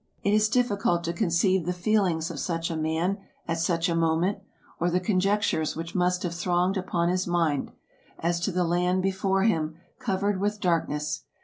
It is difficult to conceive the feelings of such a man, at such a moment ; or the conjectures which must have thronged upon his mind, as to the land before him, covered with dark ness.